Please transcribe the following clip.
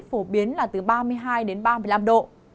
phổ biến là từ ba mươi hai đến ba mươi năm độ